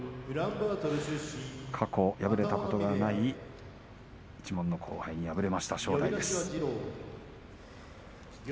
過去敗れたことがない一門の後輩に敗れました正代です。